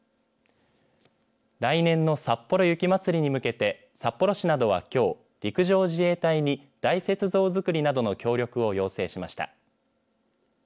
来年のさっぽろ雪まつりに向けて札幌市などはきょう陸上自衛隊に大雪像作りなどの協力を要請しました。